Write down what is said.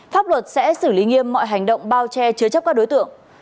pháp luật sẽ xử lý nghiêm mọi hành động bao che chứa chấp các đối tượng